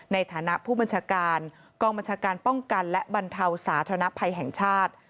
ในฐานะผู้บัญชาการกองบัญชาการป้องกันและบรรเทาสาธารณภัยแห่งชาติ